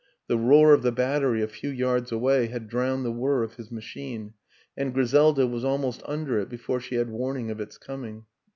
The roar of the battery a few yards away ha^d drowned the whirr of his machine, and Griselda was almost under it before she had warning of its coming.